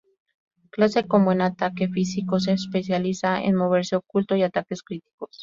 Clase con buen ataque físico, se especializa en moverse oculto y ataques críticos.